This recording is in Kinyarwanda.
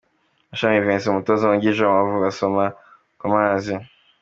Mashami Vincent umutoza wungirije w'Amavubi asoma ku mazi.